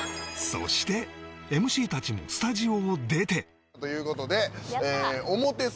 そして ＭＣ たちもスタジオを出てという事で。